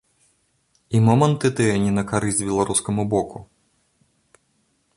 І моманты тыя не на карысць беларускаму боку.